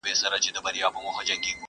سیوری د قسمت مي په دې لاره کي لیدلی دی !